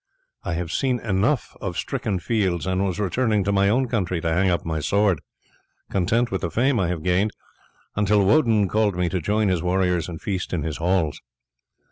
"I have seen enough of stricken fields, and was returning to my own country to hang up my sword, content with the fame I have gained, until Woden called me to join his warriors and feast in his halls.